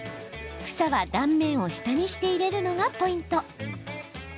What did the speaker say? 房は断面を下にして入れるのがポイント。